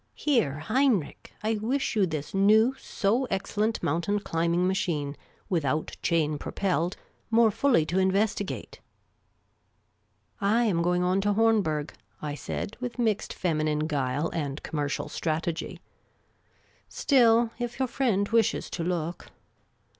Here, Heinrich, I wish j ou this new so ex cellent mountain climbing machine, without chain propelled, more fully to investigate." " I am going on to Hornberg," I said, with mixed feminine guile and commercial strategy ;" still, if your friend wishes to look